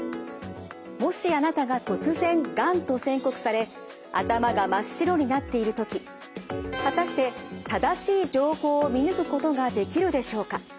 もしあなたが突然がんと宣告され頭が真っ白になっている時果たして正しい情報を見抜くことができるでしょうか？